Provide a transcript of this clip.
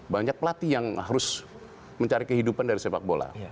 banyak pelatih yang harus mencari kehidupan dari sepak bola